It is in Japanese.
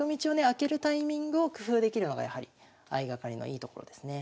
開けるタイミングを工夫できるのがやはり相掛かりのいいところですね。